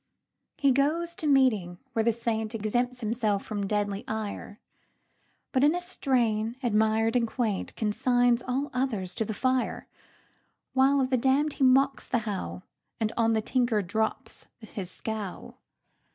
He goes to meeting, where the saintExempts himself from deadly ire, But in a strain admir'd and quaintConsigns all others to the fire, While of the damn'd he mocks the howl, And on the tinker drops his scowl.